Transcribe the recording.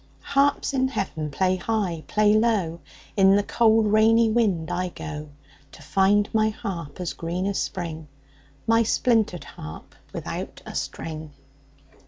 Harps in heaven play high, play low; In the cold, rainy wind I go To find my harp, as green as spring My splintered harp without a string!'